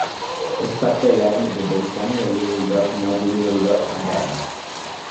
Es parte del área metropolitana de Little Rock-North Little Rock-Conway.